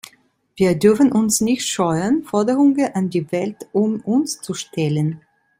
Wir dürfen uns nicht scheuen, Forderungen an die Welt um uns zu stellen.